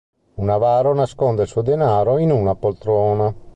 Un avaro nasconde il suo denaro in una poltrona.